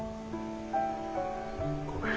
ごめん。